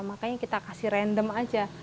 makanya kita kasih random aja